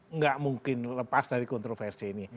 nggak mungkin lepas dari kontroversi ini